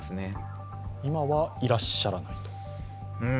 今はいらっしゃらないと？